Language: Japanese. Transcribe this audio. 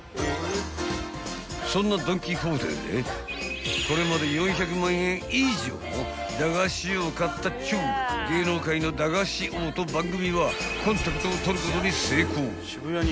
［そんなドン・キホーテでこれまで４００万円以上も駄菓子を買ったっちゅう芸能界の駄菓子王と番組はコンタクトを取ることに成功］